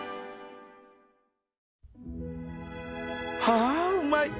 はあうまい。